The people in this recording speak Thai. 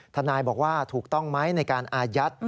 ทนายบอกว่าถูกต้องไหมในการอายัด